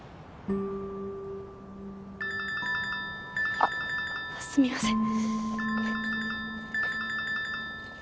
あっすみません。